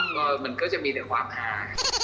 ก็มันก็จะมีแต่ความหา